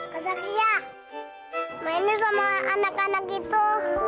kejaksa mainnya sama anak anak itu